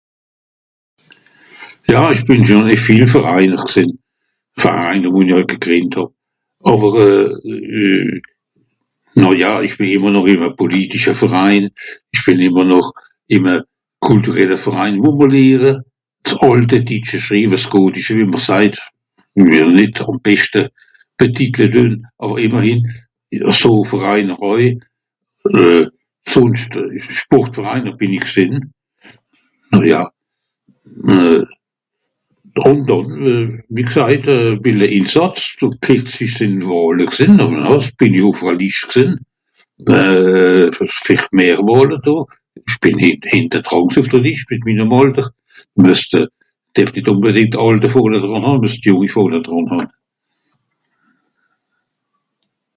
Ja ìch bìn schon ìn vìel Vereinser gsìnn, enfin (...) gegrìndt hàb. Àwer euh... na ja ìch bìn ìmmer noch ìm e politische Verein, ìch bìn ìmmer noch ìm e kulturelle Verein wo mr lehre s'àlte ditsche Schriwe, s'Gothische wie mr sajt. (...) àwer ìmmerhin, aso Vereiner aui. Euh... sùnscht, Sportvereiner bìn i gsìnn. Ah ja. Euh... (...) wie gsajt, (...) kìrzli sìnn d'Wàhle gsìnn, ah bah voilà, bìn i au ùff're Lischte gsìnn, euh... fer d'Mairewàhle do. Ìch bìn nìt (...) ùff de Lìscht mìt minnem àlter, (...)